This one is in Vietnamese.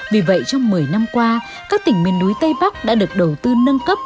vì vậy trong một mươi năm qua các tỉnh miền núi tây bắc đã được đầu tư nâng cấp